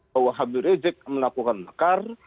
bahwa habib rizieq melakukan pakar